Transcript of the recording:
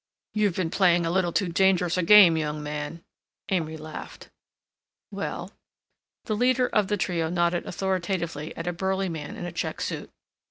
"You've been playing a little too dangerous a game, young man!" Amory laughed. "Well?" The leader of the trio nodded authoritatively at a burly man in a check suit.